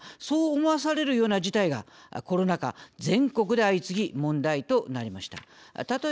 そう思わされるような事態がコロナ禍、全国で相次ぎ問題となりました。